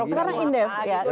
sekarang indef ya